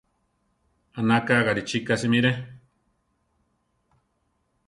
Anaka Garichí ka simire.